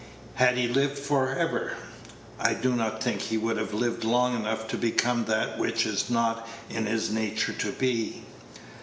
Had he lived for ever, I do not think he would have lived long enough to become that which it was not in his nature to be.